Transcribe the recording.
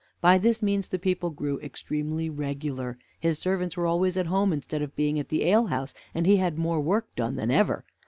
By this means the people grew extremely regular, his servants were always at home instead of being at the alehouse, and he had more work done than ever.